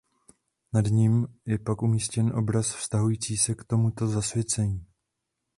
Nad ním je pak umístěn obraz vztahující se k tomuto zasvěcení.